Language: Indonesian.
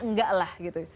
enggak lah gitu